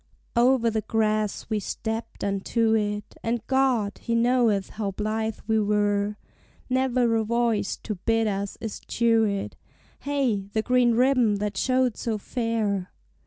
Over the grass we stepped unto it, And God, He knoweth how blithe we were! Never a voice to bid us eschew it; Hey the green ribbon that showed so fair!